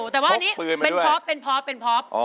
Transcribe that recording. แต่ว่าอันนี้เป็นพ็อปเป็นพอเป็นพ็อป